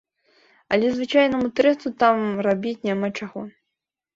Але звычайнаму турысту там рабіць няма чаго.